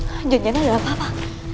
jangan jangan ada apa apa